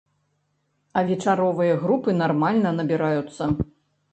А вечаровыя групы нармальна набіраюцца.